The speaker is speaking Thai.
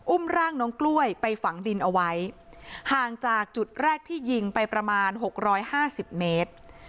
อุ้มร่างน้องกล้วยไปฝังดินเอาไว้ห่างจากจุดแรกที่ยิงไปประมาณหกร้อยห้าสิบเมตร